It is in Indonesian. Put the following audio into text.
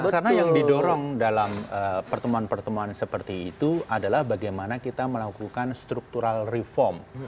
karena yang didorong dalam pertemuan pertemuan seperti itu adalah bagaimana kita melakukan struktural reform